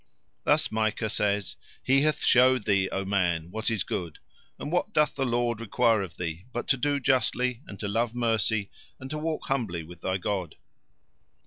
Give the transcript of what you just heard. Thus Micah says: "He hath shewed thee, O man, what is good; and what doth the Lord require of thee, but to do justly, and to love mercy, and to walk humbly with thy God?"